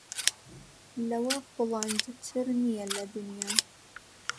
لەوە بوڵەندتر نییە لە دونیا